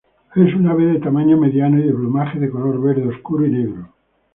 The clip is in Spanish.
Es un ave de tamaño mediano, de plumaje de color verde oscuro y negro.